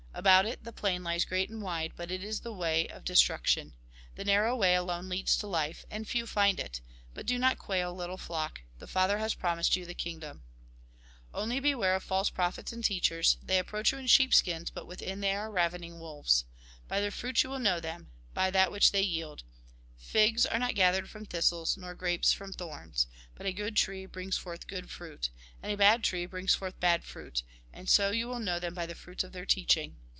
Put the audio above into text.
About it the plain lies great and wide, but it is the way of destruction. The narrow way alone leads to life ; and few find it. But do not quail, little flock ! The Father has promised you the kingdom. lit. vi. 29, 31. 32. 33. Lk. Mt. Vll. xi. 9. 9, 10. 11. 13. Lk. xii. 32. GOD'S KINGDOM 59 lit. vii. 16. 18. 20. Lk. vi. 45. Mt. vii. 21. 27. Only, beware of false prophets and teachers ; they approach you in sheepskins, but within they are ravening wolves. By their fruits will you know them ; by that which they yield. Figs are not gathered from thistles, nor grapes from thorns. But a good tree brings forth good fruit. And a bad tree brings forth bad fruit. And so you will know them by the fruits of their teaching.